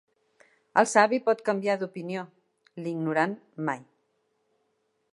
El savi pot canviar d'opinió; l'ignorant, mai.